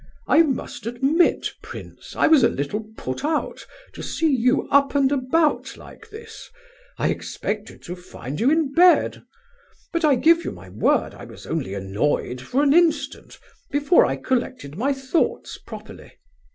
"I must admit, prince, I was a little put out to see you up and about like this—I expected to find you in bed; but I give you my word, I was only annoyed for an instant, before I collected my thoughts properly.